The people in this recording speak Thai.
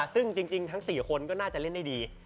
ซึ่งจริงทั้ง๔คนก็น่าจะเล่นได้ดี